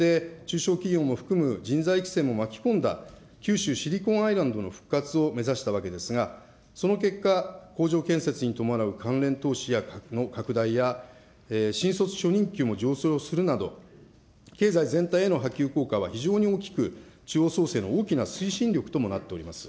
まさに地域全体での底上げ、そして中小企業も含む人材育成も巻き込んだ九州シリコンアイランドの復活を目指していますが、その結果、工場建設に伴う関連投資の拡大や、新卒初任給もするなど、経済全体にも波及効果は非常に大きく、地方創生の大きな推進力になっています。